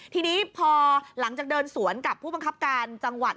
ทีนี้พอหลังจากเดินสวนกับผู้บังคับการจังหวัด